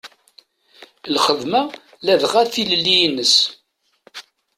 Lxedma ladɣa tilelli-ines.